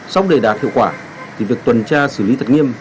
sau đề đạt hiệu quả thì việc tuần tra xử lý thật nghiêm